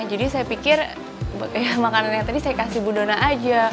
jadi saya pikir ya makanan yang tadi saya kasih bu dona aja